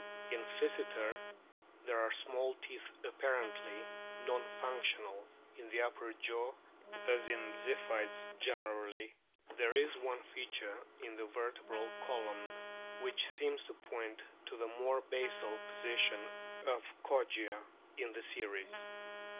In Physeter there are small teeth apparently non functional in the upper jaw as in the Ziphiids generally. There is one feature in the vertebral column which seems to point to the more basal position of Kogia in the series.